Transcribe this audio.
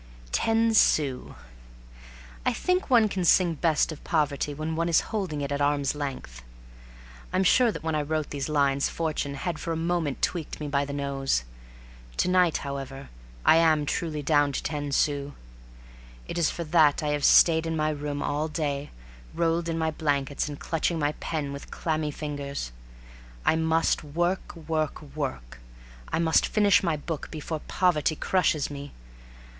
Ten sous. ... I think one can sing best of poverty when one is holding it at arm's length. I'm sure that when I wrote these lines, fortune had for a moment tweaked me by the nose. To night, however, I am truly down to ten sous. It is for that I have stayed in my room all day, rolled in my blankets and clutching my pen with clammy fingers. I must work, work, work. I must finish my book before poverty crushes me.